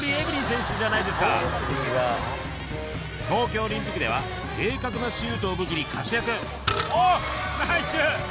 東京オリンピックでは正確なシュートを武器に活躍おっナイシュ！